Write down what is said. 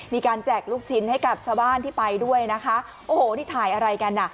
แจกลูกชิ้นให้กับชาวบ้านที่ไปด้วยนะคะโอ้โหนี่ถ่ายอะไรกันอ่ะ